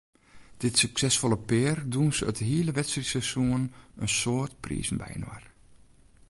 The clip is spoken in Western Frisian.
Dit suksesfolle pear dûnse it hiele wedstriidseizoen in soad prizen byinoar.